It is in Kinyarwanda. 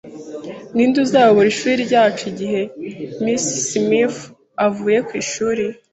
Ninde uzayobora ishuri ryacu igihe Miss Smith avuye ku ishuri?